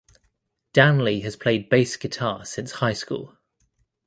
Danley has played bass guitar since high school.